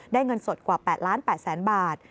เงินสดกว่า๘๘๐๐๐บาท